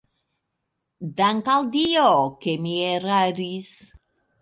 Dank' al Dio, ke mi eraris!